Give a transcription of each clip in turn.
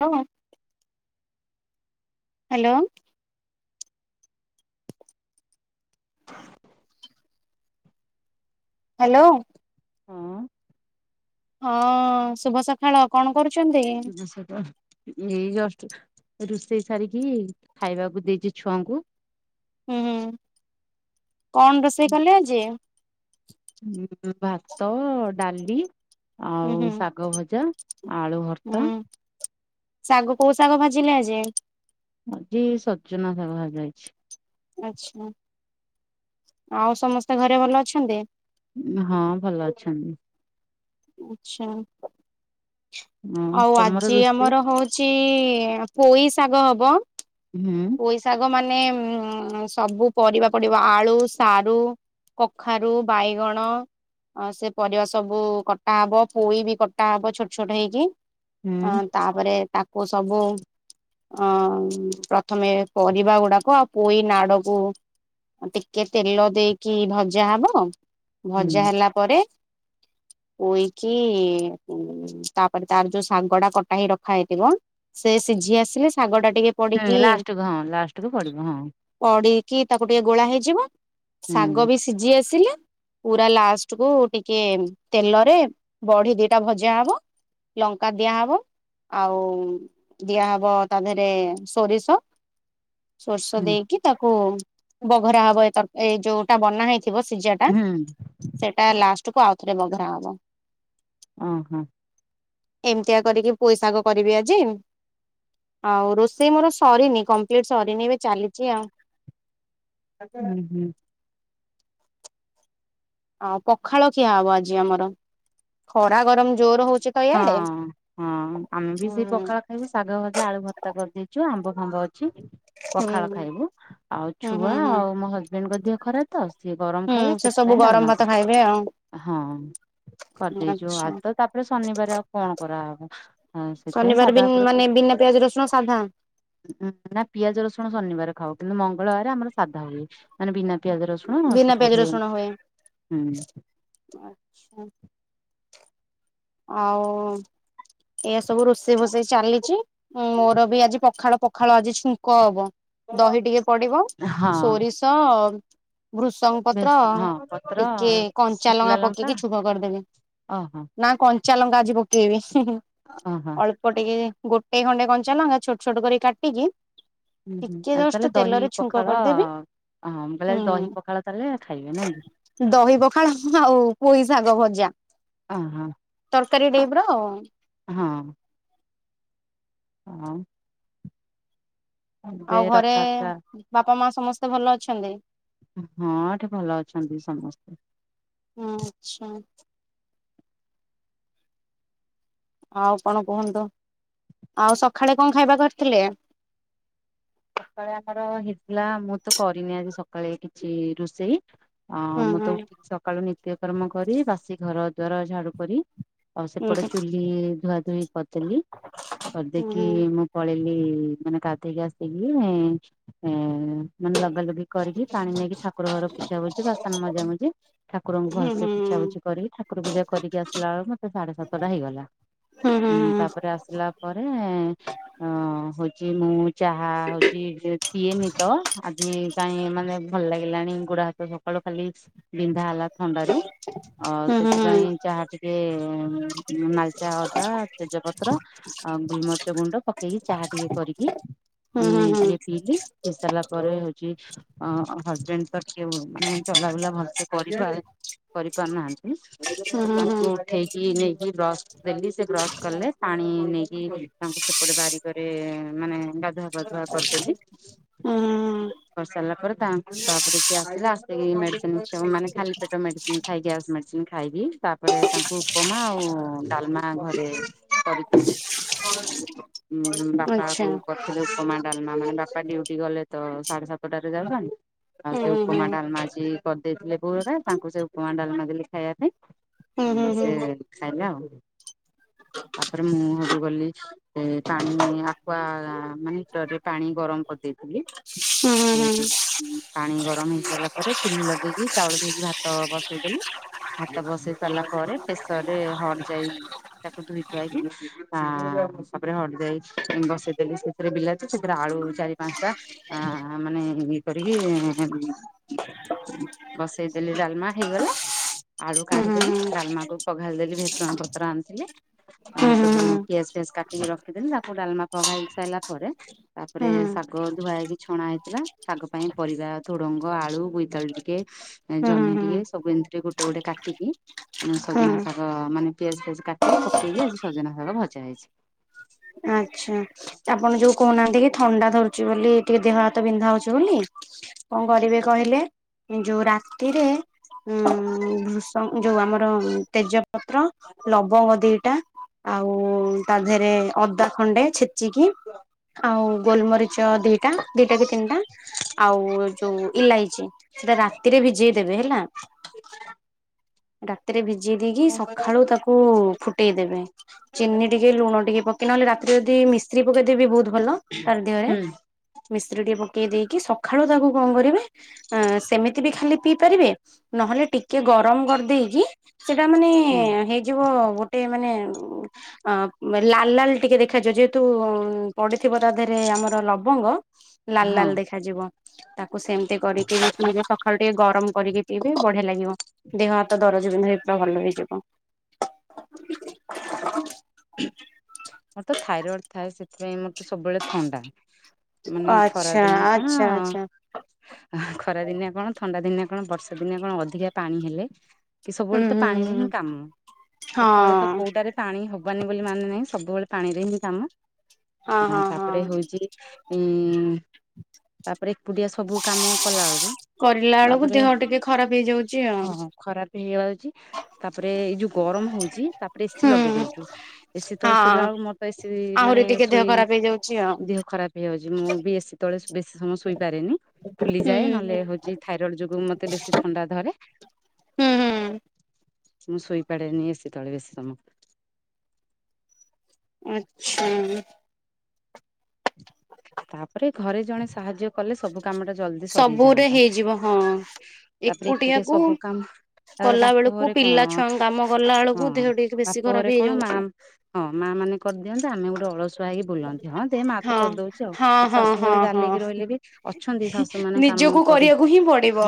ହଁ। Hello. [inaudible] Hello. ହଁ। ହଁ ଶୁଭ ସକାଳ କଣ କରୁଛନ୍ତି? ଆ ସେଟ ଏଇ ଜଷ୍ଟ ରୋଷେଇ ସାରିକି ଖାଇବାକୁ ଦେଇଛି ଛୁଆଙ୍କୁ। ହୁଁ ହୁଁ କଣ ରୋଷେଇ କଲେ ଆଜି? ହଁ ଭାତ, ଡାଲି ହୁଁ ଆଉ ହୁଁ ଶାଗ ଭଜା, ଆଳୁ ହୁଁ ଭର୍ତ୍ତ। ଶାଗ କୋଉ ଶାଗ ଭାଜିଲେ ଆଜି? ଆଜି ସଜନାଶାଗ ଭଜା ହେଇଛି। ଆଛା ଆଉ ସମସ୍ତେ ଘରେ ଭଲ ଅଛନ୍ତି? ହଁ ଭଲ ଅଛନ୍ତି। ଆଚ୍ଛା, ଆଉ ତମର ଆଜି ରୋଷେଇ ଆମର ହଉଛି ଛି ପୋଇ ଶାଗ ହବ। ହୁଁ। ପୋଇଶାଗ ମାନେ ସବୁ ପରିବା ପଡ଼ିବ ଆଳୁ, ସାରୁ କଖାରୁ, ବାଇଗଣ ହ ସେ ପରିବା ସବୁ କଟା ହବ ପୋଇ ବି କଟା ହବ ଛୋଟ ଛୋଟ ହେଇକି। ହୁଁ ଅ ତାପରେ ତାକୁ ସବୁ ଅ ତମେ ପରିବା ଗୁଡ଼ାକ ଆଉ ପୋଇ ନାଡକୁ ଟିକେ ତେଲ ଦେଇକି ଭଜା ହବ, ହୁଁ। ଭଜା ହେଲା ପରେ ପୋଇକି ତାପରେ ତାର ଯୋଉ ଶାଗ ଟା କଟା ହେଇ ରଖା ହେଇଥିବ। ସେ ସିଝି ଆସିଲେ ଶାଗ ଟା ଟିକେ ହୁଁ ପଡିକି ଲାଷ୍ଟକୁ ହଁ ଲାଷ୍ଟକୁୁ ପଡ଼ିବ ହଁ। ପଡ଼ିକି ତାକୁ ଟିକେ ଗୋଳା ହେଇଯିବ ହୁଁ ଶାଗ ବି ସିଝି ଆସିଲେ ପୁରା ଲାଷ୍ଟ କୁ ଟିକେ ତେଲରେ ବଡି ଦିଟା ଭଜା ହବ। ଲଙ୍କା ଦିଆହବ ଆଉ ଦିଆହବ ତା ଦେହରେ ସୋରିଷ ସୋରିଶ ହୁଁ ଦେଇକି ତାକୁ ବଘରା ହବ ଏ ଏଇ ଯୋଉଟା ବନା ହେଇ ଥିବ ସିଝାଟା ହୁଁ ସେଟା ଲାଷ୍ଟ କୁ ଆଉ ଥରେ ବଘରା ହବ। ଓ ହୋ। ଏମିତିଆ କରିକି ପୋଇଶାଗ କରିବି ଆଜି। ଆଉ ରୋଷେଇ ମୋର ସରିନି କମ୍ପ୍ଲିଟ ସରିନି ଏବେ ଚାଲିଛି ଆଉ। [inaudible] ଆ ପଖାଳ ଖିଆ ହବ ଆଜି ଆମର ଖରା ଗରମ ଜୋର ହଉଚି, ହଁ ହଁ ଆମେ ବି ସେ ପଖାଳ ଶାଗ ଭଜା ଆଳୁ ଭର୍ତା କରିଦେଇଚୁ ଆମ୍ବ ଫାମ୍ବ ଅଛି। ହୁଁ ପଖାଳ ଖାଇବୁ। ଆଉ ହୁଁ ହୁଁ ଛୁଆ ହୁଁ। ଆଉ ମୋ ହଜବେଣ୍ଡଙ୍କ ଦିହ ଖରାପ୍ ତ ସିଏ ଗରମ ହୁଁ ଖାଇବେ ସେ ସବୁ ସେଥିପାଇଁ ଗରମ ଡାଲମା ଭାତ ଖାଇବେ ଆଉ ହଁ କରିଦେଇଚୁ। ଆଚ୍ଛା। ଆଜି ତ ତାପରେ ଶନିବାର ଆଉ କଣ କରାହବ। ହଁ ସେଥିପାଇଁ ଶନିବାର ସାଧା ବି ଉପରେ ମାନେ ବିନା ପିଆଜ ରସୁଣ ସାଧା। ଉ ନା ପିଆଜ ରସୁଣ ଶନିବାର ଖାଉ କିନ୍ତୁ ମଙ୍ଗଳବାର ଆମର ସାଧା ହୁଏ। ମାନେ ବିନା ପିଆଜ ରସୁଣ ବିନା ସବୁ ପିଆଜ ହୁଏ। ରସୁଣ ହୁଁ [inaudible] ଆଉ ଏୟା ସବୁ ରୋଷେଇ ଫୋଷେଇ ଚାଲିଛି। ମୋର ବି ଆଜି ପଖାଳ ପ ପଖାଳ ଆଜି ଛୁଙ୍କ ହବ। ଦହି ଟିକେ ପଡିବ ହଁ ସୋରିଷ ଭ୍ରୁଷଙ୍ଗ ବେଶ ପତ୍ର ହଁ ପତ୍ର ଟିକେ କଞ୍ଚା ଲଙ୍ଗା ପକେଇକି ଛୁଙ୍କ କରିଦେବି। ଓ ହୋ। ନା କଞ୍ଚା ଲଙ୍କା ଆଜି ପକେଇବି। ଓ ହୋ। ଅଳ୍ପ ଟିକେ ଗୋଟେ ଖଣ୍ଡେ କଞ୍ଚା ଲଙ୍କା ଛୋଟ ଛୋଟ କରି କାଟିକି ଆଜି ଟିକେ ତାହେଲେ ଜଷ୍ଟ ଦହି ତେଲରେ ଛୁଙ୍କ ପଖାଳ କରିଦେବି ହଁ ମୁଁ କହିଲେ ଆଜି ଦହି ହୁଁ ପଖାଳ କଲେ ଖାଇବେ ନାଇଁ କି? ଦହି ପଖାଳ ହୁଁ ଆଉ ପୋଇ ଶାଗ ଭଜା। ଅ ହଁ। ତରକାରୀ। [unintelligible] ହଁ। ହଁ। ଏବେ ଆଉ ଘରେ ରଥଯାତ୍ରା ବାପା ମା ସମସ୍ତେ ଭଲ ଅଛନ୍ତି? ହଁ ଏଠି ଭଲ ଅଛନ୍ତି ସମସ୍ତେ। ହଁ ଆଚ୍ଛା। ଆଉ କଣ କୁହନ୍ତୁ? ଆଉ ସଖାଳେ କଣ ଖାଇବା କରିଥିଲେ? ସକାଳେ ଆମର ହେଇଥିଲା ମୁଁ ତ କରିନି ଆଜି ସକା- ସକାଳେ କିଛି ରୋଷେଇ। ଆ ହୁଁ ମୁଁ ହୁଁ ତ ଉଠିକି ସକାଳୁ ନି ତ୍ୟକର୍ମ କରି, ବାସି ଘର ଦ୍ବାର ଝାଡୁ କରି ଆଉ ହୁଁ ସେପଟେ ଚୁଲି ଧୁଆ ଧୁଇ କରିଦେଲି। ହୁଁ କରିଦେଇକି ମୁଁ- ପଳେଇଲିି ମାନେ ଗାଧେଇକି ଆସିକି ଏ ମାନେ ଲଗାଲଗି କରିକି ପାଣି ନେଇକି ଠାକୁର ଘର ପୁଛା ପୁଛି, ବାସନ ମଜା ମଜିି, ଠାକୁରଙ୍କୁ ହୁଁ ହୁଁ ଭଲସେ ପୁଛା ପୁଛି କରିକି ଠାକୁର ପୂଜା କରିକି ଆସିଲା ବେଳେ ମୋତେ ସାଢେ ସାତଟା ହେଇଗଲା। ହୁଁ ହୁଁ ଉଁ ତାପରେ ଆସିଲା ପରେ ଅ ହଉଛି ମୁଁ, ଚାହା ହଉଛି ପିଏନି ତ ଆଜି କାଇଁ ମାନେ ଭଲ ଲାଗିଲାଣି ଗୁଡ ହାତ ସକାଳୁ ଖାଲି ବିନ୍ଧା ହେଲା ଥଣ୍ଡରୁ। ଅ ହୁଁ ହୁଁ ସେଥିପାଇଁ ଚାହା ଟିକେ ନାଲିଚା ଅଦା ତେଜପତ୍ର, ଆଉ ଗୁଲମରିଚ ଗୁଣ୍ଡ ପକେଇକି ଚାହା ଟିକେ କରିକି ହୁଁ ଇ ହୁଁ ହୁଁ ହୁଁ ହୁଁ ଟିକେ ପିଇଲିି ପିଇ ସାରିଲା ପରେ ହଉଛି, ଅ ହଜବେଣ୍ଡ ତ ଟିକେ ମାନେ ଚଲାବୁଲା ଭଲସେ କରି କରିପା କରିପାରୁନାହାନ୍ତି। ହୁଁ ତ ହୁଁ ତାଙ୍କୁ ଉଠେଇକି କି ନେଇକି ବ୍ରସ୍ ଦେଲି ସେ ବ୍ରସ୍ କଲେ। ପାଣି ନେଇକି ତାଙ୍କୁ ସେପଟେ ବାରିକରେ ମାନେ ଗାଧୁଆ ପାଧୁଆ କରିଦେଲି। ହୁଁ କରିସାରିଲା ପରେ ତା ତାପରେ ସିଏ ଆସିଲା ଆସିକି ମେଡିସିନ ମାନେ ଖାଲି ପେଟ ମେଡିସିନ ଖାଇ ଗ୍ୟାସ୍ ମେଡିସିନ ଖାଇବି। ତାପରେ ତାଙ୍କୁ ଉପମା ଆଉ ଡାଲମା ଘରେ କରିିଥିଲି। ଉଁ ବାପା ଆଚ୍ଛା ବୋଉ ରଖିଲି ଉପମା ଡାଲମା ମାନେ ବାପା ଡିଉଟି ଗଲେ ତ ସାଢେ ସାତଟାରେ ଯାଉଛନ୍ତି। ଆଉ ହୁଁ ସେ ହୁଁ ଉପମା ଡାଲମା ଆଜି କରିଦେଇଥିଲେ ବୋଉ ହେରୀକା ତାଙ୍କୁ ସେ ଉପମା ଡାଲମା ଦେଲେ ଖାଇବା ହୁଁ ହୁଁ ପାଇଁ। ଉଁ ହୁଁ ସେ ଖାଇଲେ ଆଉ। ତାପରେ ମୁଁ ହେଠୁ ଗଲି ପାଣି ଆକୁଆ ମାନେ ଜରରେ ପାଣି ଗରମ କରିଦେଇଥିଲି। ହୁଁ ଉଁ ହୁଁ ପାଣି ଗରମ ହେଇ ସାରିଲା ପରେ ଚୁଲି ଲଗେଇକି ଚାଉଳ ଧୋଇକି ଭାତ ବସେଇଦେଲି। ହାତ ବସେଇ ସାରିଲା ପରେ ପ୍ରେସରରେ ହଡ ଯାଇ ତାକୁ ଧୋଇଧୁଆକି ଆଁ ତାପରେ ହଡ ଯାଇ ବସେଇଦେଲି। ସେଥିରେ ବିଲାତି ସେଥିରେ ଆଳୁ ଚାରି ପାଞ୍ଚଟା ଆ ମାନେ ଇ କରିକି ଇଁ ବସେଇଦେଲି ଡାଲମା ହେଇଗଲା। ଆଳୁ ହୁଁ ହୁଁ ହୁଁ ହୁଁ ହୁଁ କାଢିଦେଲି ଡାଲମା କକୁ ପଘାଳି ଦେଲି ଭେଟୁଣା ପତ୍ର ଆଣିଥିଲି। ଆ ହୁଁ ହୁଁ ସବୁ ହୁଁ ପିଆଜ ଫିଆଜ କାଟିକି ରଖିଦେଲି ତାକୁ ଡାଲମା ପଘାଇ ସାରିଲା ପରେ। ତାପରେ ଶାଗ ଧୁଆ ହେଇକି ଛଣା ହେଇଥିଲା ଶାଗ ପାଇଁ ପରିବା ଥୋଡ଼ଙ୍ଗ, ଆଳୁ, ବୋଇତାଳୁ ଟିକେ ହୁଁ ଜହ୍ନି ଟିକେ ସବୁ ଏମିତି ଟ ଗୋଟେ ଗୋଟେ କାଟିକି ଉଁ ହୁଁ ସଜନା ହୁଁ ଶାଗ ମାନେ ପିଆଜ ଫିଆଜ କାଟିକି ପକେଇକି ଆଜି ସଜନା ଶାଗ ଭଜା ହେଇଛି। ଆଚ୍ଛା। ଆପଣ ଯୋଉ କହୁନାହାନ୍ତି କି ଥଣ୍ଡା ଧରୁଛି ବୋଲି ଟିକେ ଦେହ ହାତ ବିନ୍ଧା ହଉଛି ବୋଲି। କଣ କରିବେ କହିଲେ? ଯୋଉ ରାତିରେ ଉଁ ଭୁଷ ଯୋଉ ଆମର ତେଜପତ୍ର, ଲବଙ୍ଗ ଦିଟା ଆଉ ତା ଦେହରେ ଅଦା ଖଣ୍ଡେ ଛେଚିକି ଆଉ ଗୋଲମରିଚ ଦିଟା ଦିଟା କି ତିନିଟା ଆଉ ଯୋଉ ଇଲାଇଚି ସେଇଟା ରାତିରେ ଭିଜେଇ ଦେବେ ହେଲା। ରାତିରେ ଭିଜେଇ ଦେଇକି ସକାଳୁ ତାକୁ ଫୁ ଫୁଟେଇଦେବେ ଚିନି ଟିକେ ଲୁଣ ଟିକେ ପକେଇ ନହେଲେ ରାତିରେ ଯଦି ମିଶ୍ରୀ ପକେଇଦବି ବହୁତ ଭଲ ତାର ଦେହରେ ହୁଁ। ମିଶ୍ରୀ ଟିକେ ପକେଇ ଦେଇକି ସଖାଳୁ ତାକୁ କଣ କରିବେ? ଏଁ ସେମିତି ବି ଖାଲି ପିଇ ପାରିବେ ନହେଲେ ଟିକେ ଗରମ କରି ଦେଇକି ସେଟା ମାନେ ହୁଁ ହେଇଯିବ ଗୋଟେ ମାନେ ଅ ଲାଲ ଲାଲ ଟିକେ ଦେଖାଯିବ ଯେହେତୁ ପଡିଥିବ ତା ଦେହରେ ଆମର ଲବଙ୍ଗ। ଲାଲ ଲାଲ ହଁ ଦେଖାଯିବ। ତାକୁ ସେମିତି କରିକି ପିଇବେ ସକାଳୁ ଟିକେ ଗରମ କରିକି ପିଇବେ ବଢିଆ ଲାଗିବ। ଦେହ ଦରଜ ବିନ୍ଧ ହେଇ ପା ଭଲ ହେଇଯିବ। ମୋର ତ ଥାଇରଏଡ ଥାଏ ସେଥିପାଇଁ ମୋର ତ ସବୁବେଳେ ଥଣ୍ଡା। ମାନେ ଖରା ଆଚ୍ଛା ଦିନିଆ କଣ ଆଚ୍ଛା ଆଚ୍ଛା ଖରା ଦିନେ କଣ, ଥଣ୍ଡା ଦିନେ କଣ, ବର୍ଷା ଦିନେ କଣ ଅଧିକା ପାଣି ହେଲେ। କି ସବୁବେଳେ ହୁଁ ତ ହୁଁ ପାଣିରେ ହିଁ ହୁଁ କାମ ହଁ କେତେବେଳେ ତ କୋଉଡାରେ ପାଣି ହବାନି ବୋଲି ମାନେ ନାହିଁ ସବୁବେଳେ ପାଣିରେ ହିଁ କାମ। ହଁ ଆ ହଁ ହଁ ତାପରେ ହଉଛି ଏଇଁ ତାପରେ ଏକୁଟିଆ ସବୁ କାମ କଲା ବେଳକୁ କରିଲା ବେଳକୁ ତାପରେ ଦେହ ଟିକେ ଖରାପ ହେଇଯାଉଛି ଆଉ। ହଁ ଖରାପ ହେଇଯାଉଛି, ତାପରେ ଏଇ ଯୋଉ ଗରମ ହଉଛି ତାପରେ ଏସି ଲଗେଇ ହୁଁ ଦଉଛୁ। ଏସି ତେବେଳେ ଶୋଇଲା ହଁ। ବେଳକୁ ମୋର ତ ଏସି ମାନେ ଆହୁରି ଟିକେ ଦେହ ଶୋଇ ଖରାପ ହେଇଯାଉଛି ଆଉ ଦେହ ଖରାପ ହେଇଯାଉଛି ମୁଁ ବି ଏଶୀ ତଳେ ବେଶୀ ସମୟ ଶୋଇପାରେନି ହୁଁ ଫୁଲିଯାଏ ନହେଲେ ହୁଁ ହଉଛି ଥାଇରଏଡ୍ ଯୋଗୁ ମତେ ବେଶୀ ଥଣ୍ଡା ଧରେ। ହୁଁ ହୁଁ। ମୁଁ ଶୁଇ ପଡ଼େନି ତଳେ ବେସି ସମ [inaudible] ତା'--ରେ ଘରେ ଜଣେ ସାହାଯ୍ୟ କଲେ ସବୁ କାମ ଟା ଜଲ୍ଦି ସରି ସବୁରେ ଯାଆନ୍ତା, ହେଇଯିବ ହଁ ତା--ରେ ଏକୁଟିଆ ଏକୁଟିଆକୁ ସବୁ କାମ୍ [inaudible] କଲା ବେଳକୁ ପିଲା ଛୁଆଙ୍କ କାମ କଲା ବେଳକୁ ଦେହ ଟିକେ ବେଶୀ ଖରାପ ହେଇଯାଉଛି ହଁ! ମା ମାନେ ଦିଅନ୍ତେ, ଆମେ ଗୁଟେ ଅଳସୁଆ ହେଇକି ବୁଲ ହଁ। କର୍ ଦଉଚି ଆ। ହଁ ହଁ ଶାଶୁ ଘରେ ହଁ ଗାଲେଇ ହଁ କି ରହିଲେ ବି, ଅଛନ୍ତି ଶାଶୁ ମାନେ କାମ ନିଜକୁ କରି କରିବାକୁ ହିଁ ପଡିବ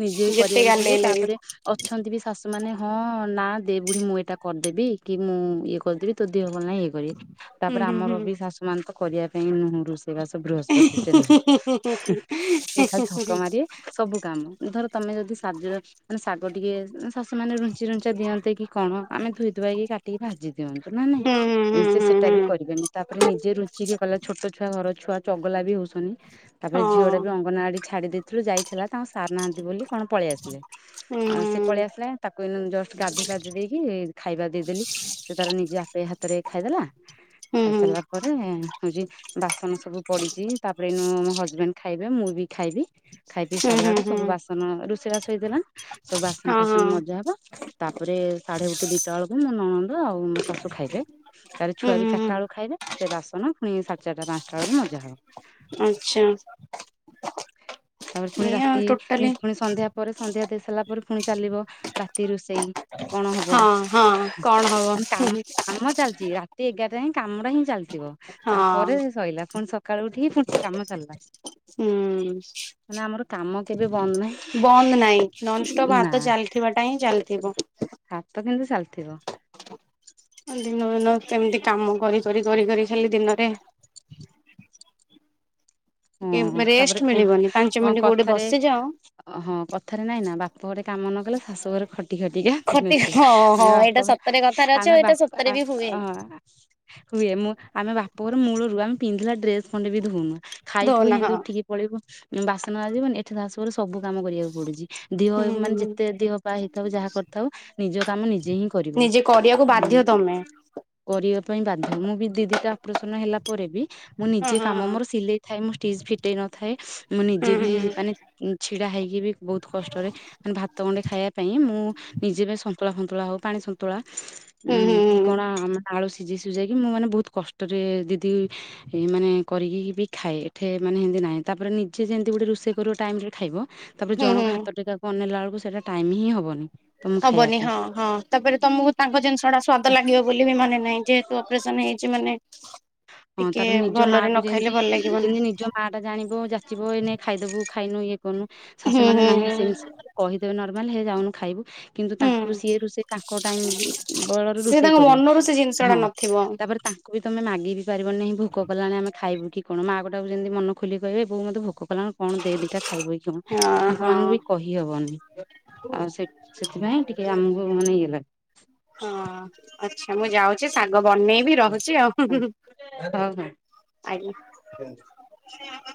ନିଜେ-------ରିବାକୁ ଯେତେ ପଡ଼ିବ। ଗାଲେଇଲେ ବି। ତା'ପରେ ଅଛନ୍ତି ବି ଶା ମାନେ ହଁ ନା ଦେ, ବୁଢ଼ୀ ମୁଁ ଏଟା କର୍ ଦେବି କି ମୁଁ ଇଏ କ ଦିହ ଭଲ୍‌ ନାହିଁ, ଇଏ ହୁଁ ତା'ପରେ ହୁଁ ହୁଁ ଆମର ବି ଶାଶୁ ମାନ ତ କରିବା ପାଇଁ ହୁଁ ହୁଁ [inaudible] ସବୁ କାମ, ଧର ତମେ ଯଦି ମାନେ ଶାଗ ଟିକେ ଶାଶୁ ମାନେ ରୁଞ୍ଚି ରୁଞ୍ଚା ଦିଅନ୍ତ କି କ'ଣ? ଆମେ ଧୁଇ ଧୁଆକି କାଟିକି ଭାଜି ନା ହୁଁ ନାହିଁ, ହୁଁ ସେଟା ବି କରିବେନି। ତା'ପରେ ନିଜେ ରୁଞ୍ଚି କଲେ ଛୋଟ ଛୁଆ ଘର, ଛୁଆ ଚଗଲା ବି ହଉ---ନି, ତା'ପରେ ଝିଅଟା ହଁ। ବି ଅଙ୍ଗନା ଛାଡ଼ି ଦେଇଥିଲୁ ଯାଇଥିଲା। ତା ସାର୍ ନାହାନ୍ତି ବୋଲି କ'ଣ ପଳେଇ ଆସ୍‌ଲେ, ହୁଁ ହୁଁ ସେ ପଳେଇ ଆସ୍‌ଲା। ତାକୁ ଜଷ୍ଟ୍ ଗାଧେଇ ପାଧେଇ ଦେଇକି, ଖାଇବା ଦେଇ ଦେଲି। ସେ ତା'ର ନିଜ ଖାଇଦେଲା, ହୁଁ ଖାଇ ସା--ଲା ହୁଁ ପରେ ହଉ ବାସନ୍ ସବୁ ପଡ଼ିଚି, ତା'ପରେ ହଜ୍‌ବେ ଖାଇବେ ମୁଁ ବି ଖାଇବି। ଖାଇପିଇ ସାର୍ଲା ହୁଁ ହୁଁ ସବୁ ବାସନ୍ ରୁଷେଇ ବାସ ହେଇଥିଲା, ସବୁ ବାସନ୍‌ ହଁ ହଁ। ଫାସନ୍‌ ମଜା ବ। ତା'ପରେ ସାଢ଼େ ଗୋଟେ ଦିଟା ବଳକୁ ନଣନ୍ଦ ଆଉ ମୋ ଶାଶୁ ଖାଇବେ। ହୁଁ ଛୁଆ ବି ହୁଁ ଚାର୍ଟା ହୁଁ ଖାଇବେ, ସେ ବାସନ ସା ଚାର୍ଟା ପାନ୍‌ଷ୍ଟା ଳକୁ ମଜା ହବ। [inaudible] ତା'ପରେ ଫୁଣି ଏଇଆ ଆଉ ରାତି, ଟୋଟାଲି ଫୁଣି ସନ୍ଧ୍ୟା ପରେ ସନ୍ଧ୍ୟା ଦେଇ ସାଇଲା ପରେ, ଫୁଣି ଚାଲିବ ରାତି ରୁଷେଇ। କ'ଣ ହବ? ହଁ ହଁ କଣ ହବ ହୁଁ ଏଗାର୍---କାମଟା ହିଁ ଚାଲ୍ ଥିବ, ହଁ ତା'ପରେ ସଇଲା, ଫୁଣି ସକାଳୁ ଉଠିକି ଫୁଣି କାମ ଚାଲ୍ଲା। କାମ କେବେ ବନ୍ଦ ନାହିଁ [inaudible] ବନ୍ଦ ନା, ନନଷ୍ଟପ୍ ନା ହାତ ଚା--ଥିବା ଟା ହିଁ ଚା ଥିବ। ହାତ କିନ୍ତୁ ଚା--ଥିବ। [inaudible] ଟିକେ ହଁ! ରେଷ୍ଟ ମିଳିବନି ପାଞ୍ଚ ମିନିଟ୍ କୋଉଠି ତା'ପରେ-------କଥାରେ, ବସିଯାଅ ହଁ କଥାରେ ନାଇଁ ନା ବା ବାପ ଘରେ କାମ ନ କଲେ, ଶାଶୁ ଘରେ ଖଟି ଖଟିକା ଦିନ ଖଟି ବ। ହଁ ହଁ ଆମେ ବା ଏଇଟା ସତରେ କଥାରେ ଅଛି ଆଉ ଆମେ ଏଇଟା ବା ସତରେ ବି ହୁଏ। [inaudible] ହୁଏ, ଆମେ ବାପ ଘରେ ମୂଳରୁ ଆମେ ପିନ୍ଧିଲା ଡ୍ରେସ୍‌ ଖଣ୍ଡେ ବି ଉନୁ। ଖାଇଥିବୁ ଧଉନା ହଁ ଉଠିକି ବାସନ ମାଜି ବୁନି, ଏଠି ଶାଶୁଘରେ ସବୁ କାମ କରିବାକୁ ହୁଁ ପଡୁଚି। ହୁଁ ମାନେ ହୁଁ ଯେତେ ଦିହପା ହେଇଥାଉ ଯାହା କ--ଥାଉ, ନିଜ କାମ ନିଜେ ହିଁ କରି ନିଜେ କରି--କୁ ବାଧ୍ୟ ତମେ। କରିବା ପାଇଁ ବାଧ୍ୟ, ମୁଁ ବି ଦି---ଟା ଅପରେସନ୍‌ ହେଲା ପରେ ବି ମୁଁ ହଁ ନିଜେ ହଁ କାମ ହଁ ମୋର ଥାଏ, ମୁଁ ଷ୍ଟିଜ୍ ଫିଟେଇ ନଥାଏ ମୁଁ ହୁଁ ନିଜେ ବି ହୁଁ ମାନେ ଛିଡ଼ା ହେଇକି ବି ବହୁତ୍ କଷ୍ଟରେ ମାନେ ଭାତ ଗଣ୍ଡେ ଖାଇବା ପାଇଁ ମୁଁ ନିଜେ ବି ସନ୍ତୁଳା ଫନ୍ତୁଳା ହଉ ପାଣି ସନ୍ତୁଳା ହୁଁ ହୁଁ ହୁଁ କି କଣ ଆଳୁ ସିଜେଇ ସୁଜାକି ମୁଁ ମାନେ ବହୁତ୍ କଷ୍ଟରେ ମାନେ କରିକି ଏଠେ ମାନେ ନାହିଁ, ତା'ପରେ ନିଜେ ଯେନ୍ତି ଗୋଟେ ରୋଷେଇ କରିବ ଟାଇମ୍ ରେ ଖାଇବ। ତା'ପରେ ହୁଁ ଜଣଙ୍କ ହୁଁ ହାତ ଟେ ଇଲା ଳକୁ ସେଟା ଟାଇମ୍ ହିଁ ହବନି। ତ ମୁଁ ଖାଇବା ହବନି ପାଇଁ ହଁ ହଁ, ତା'ପରେ ତମୁକୁ ତାଙ୍କ ଜିନ୍‌ଷ ଟା ସ୍ଵାଦ ଲାଗିବ ବୋଲି [inaudible] ହଁ ଟିକେ ତାପରେ ଭଲରେ ନ ଖାଇଲେ ଭଲ୍ ଲାଗିବନି। [inaudible] ହୁଁ ହୁଁ ହୁଁ କହି ଦେବେ ନର୍ମାଲେ ହେ ଯାଉନୁ ଖାଇବୁ। କିନ୍ତୁ ତାଙ୍କୁ ହୁଁ ସିଏ ରୁଷେଇ ତାଙ୍କ ଟାଇମ୍ ବଳରେ ସେ ରୁଷେଇ ତାଙ୍କ କରିବେ। ମନରୁ ସେ ଜିନିଷ ଟା ହଁ ନଥିବ ବି ତମେ ମାଗି ବି ପାରିବନିହିଁ ଭୋକ କଲାଣି ଆମେ ଖାଇବୁ କି କଣ ମାଆ ଗୋଟାକୁ ଯେମିତି ମନ ଖୋଲି କହିବେ ବୋଉ ମୋତେ ଭୋକ କଲାଣି କଣ ଦେ ଦିଟା ଖାଇବ କିି କଣ? ହଁ ହଁ ତାଙ୍କମାନଙ୍କୁ ବି କହିବି ହବନି ଆଉ ସେ ସେଥିପାଇଁ ଟିକେ ଆମକୁ ମାନେଇଗଲା ହଁ, ଆଛା ମୁଁ ଯାଉଛି ଶାଗ ବନେଇବି ରହୁଛି ଆଉ ହଉ ହଉ। ଆଜ୍ଞା [unintelligible] [unintelligible]